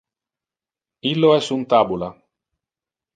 Illo es un tabula